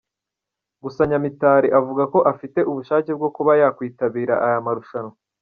Gusa Nyamitari avuga ko afite ubushake bwo kuba yakwitabira aya marushanwa.